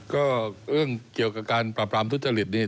ก็เรื่องเกี่ยวกับการปราบรามทุจริตนี่